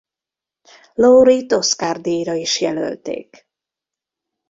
Laurie-t Oscar-díjra is jelölték.